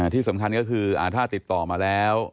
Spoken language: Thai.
ที่สำคัญก็คือถ้าติดต่อมาแล้ว